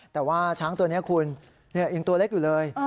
แต่ว่าช้างตัวนี้คุณยังตัวเล็กอยู่เลย